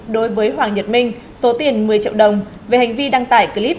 đối với hoàng nhật minh số tiền một mươi triệu đồng về hành vi đăng tải clip